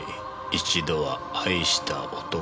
一度は愛した男